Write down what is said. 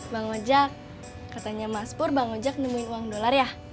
bang ojek katanya mas pur bang ojak nemuin uang dolar ya